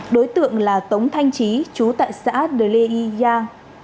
đối tượng là tống thanh chí chú tại xã đê lê y yang